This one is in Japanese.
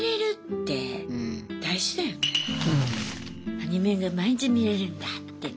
アニメが毎日見れるんだって